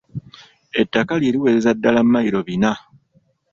Ettaka lye liwereza ddala mayilo bina.